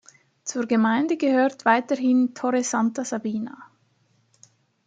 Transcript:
Zur Gemeinde gehört weiterhin Torre Santa Sabina.